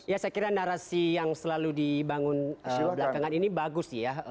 ya saya kira narasi yang selalu dibangun belakangan ini bagus ya